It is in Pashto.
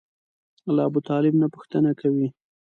له ابوطالب نه پوښتنه کوي.